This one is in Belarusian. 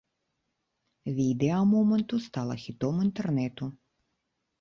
Відэа моманту стала хітом інтэрнэту.